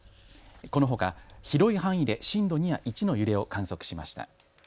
このほか広い範囲で震度２や１の揺れを観測しました。